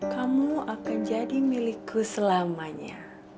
kamu akan jadi milikku selamanya